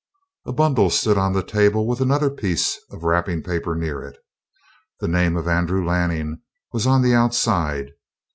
A bundle stood on the table with another piece of the wrapping paper near it. The name of Andrew Lanning was on the outside.